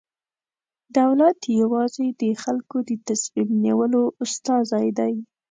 دولت یوازې د خلکو د تصمیم نیولو استازی دی.